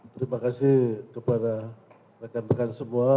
terima kasih kepada rekan rekan semua